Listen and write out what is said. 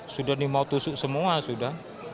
sudah dimotusuk semua